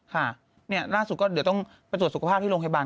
ค่ะนี่ล่าสุดก็เป็นส่วนสุขภาพที่โรงคัยบาง